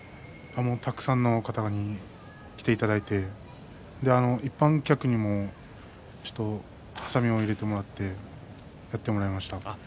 たくさんの方に来ていただいて一般客にもはさみを入れていただいてやってもらいました。